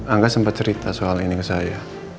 angga sempat cerita soal ini ke saya